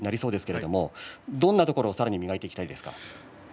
どんなところを磨いていきたいですか？